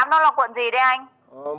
có tám đó là quận gì đây anh